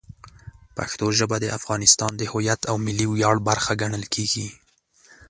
پښتو ژبه د افغانستان د هویت او ملي ویاړ برخه ګڼل کېږي.